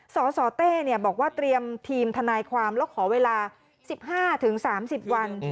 สสเต้บอกว่าเตรียมทีมทนายความแล้วขอเวลา๑๕๓๐วัน